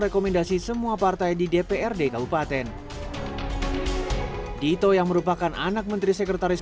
rekomendasi semua partai di dprd kabupaten dito yang merupakan anak menteri sekretaris